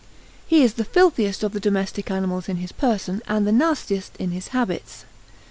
He is the filthiest of the domestic animals in his person and the nastiest in his habits.